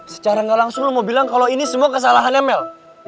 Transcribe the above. secara nggak langsung lo mau bilang kalau ini semua kesalahan emel